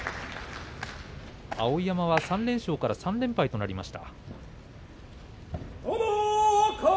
碧山は３連勝から３連敗となりました。